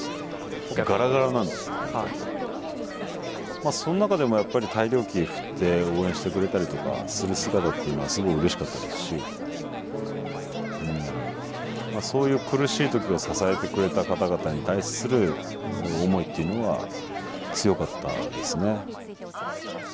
まあそん中でもやっぱり大漁旗振って応援してくれたりとかする姿っていうのはすごいうれしかったですしまあそういう苦しい時を支えてくれた方々に対する思いっていうのは強かったですね。